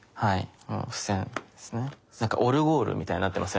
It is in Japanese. なんかオルゴールみたいになってますね。